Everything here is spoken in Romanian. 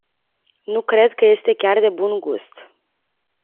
Nu cred că este chiar de bun-gust.